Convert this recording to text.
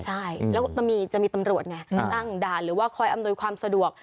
ใช่แล้วจะมีตำรวจไงตั้งด่านหรือว่าคอยอำนวยความสะดวก